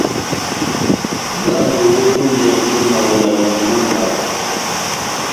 Bwálo bόtunjɛndi mawela lɔmbi má mwako.